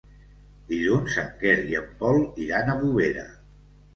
Dilluns en Quer i en Pol iran a Bovera.